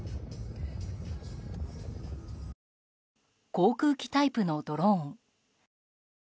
航空機タイプのドローン。